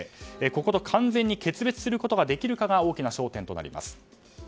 ここと完全に決別できるかが大きな焦点となります。